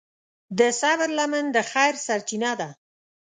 د صبر لمن د خیر سرچینه ده.